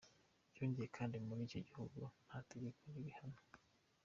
Byongeye kandi muri icyo gihugu nta tegeko ribihanira.